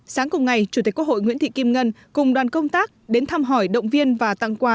sáng cùng ngày chủ tịch quốc hội nguyễn thị kim ngân cùng đoàn công tác đến thăm hỏi động viên và tặng quà